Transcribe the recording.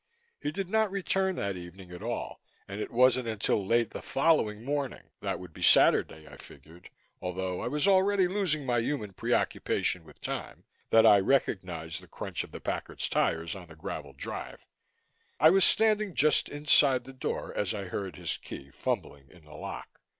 He did not return that evening at all and it wasn't until late the following morning that would be Saturday I figured, although I was already losing my human preoccupation with time that I recognized the crunch of the Packard's tires on the graveled drive. I was standing just inside the door as I heard his key fumbling in the lock.